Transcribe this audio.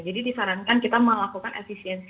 jadi disarankan kita melakukan efisien